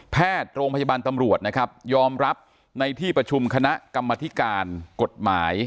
แพทย์โรงพยาบาลตำรวจนะครับยอมรับในที่ประชุมคณะกรรมธิการกฎหมาย